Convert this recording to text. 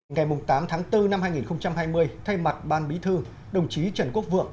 ngày tám tháng bốn năm hai nghìn hai mươi thay mặt ban bí thư đồng chí trần quốc vượng